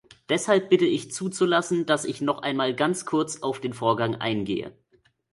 Deshalb bitte ich zuzulassen, dass ich noch einmal ganz kurz auf den Vorgang eingehe.